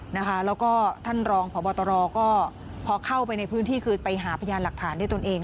แล้วก็ท่านรองพบตรก็พอเข้าไปในพื้นที่คือไปหาพยานหลักฐานด้วยตนเอง